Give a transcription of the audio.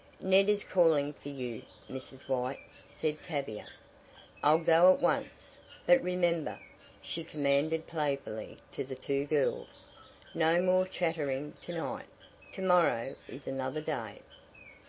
"Ned is calling for you, Mrs. White," said Tavia. "I'll go at once; but remember," she commanded playfully to the two girls, "no more chattering to night. To morrow is another day."